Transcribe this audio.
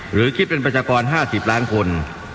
หรือคิดเป็นประชากร๕๐ล้านคน